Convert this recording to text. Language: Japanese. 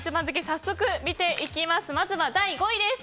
早速見ていきます。